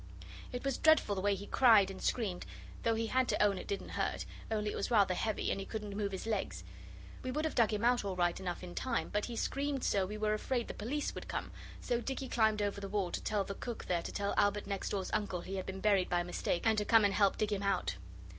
It was dreadful the way he cried and screamed, though he had to own it didn't hurt, only it was rather heavy and he couldn't move his legs. We would have dug him out all right enough, in time, but he screamed so we were afraid the police would come, so Dicky climbed over the wall, to tell the cook there to tell Albert next door's uncle he had been buried by mistake, and to come and help dig him out.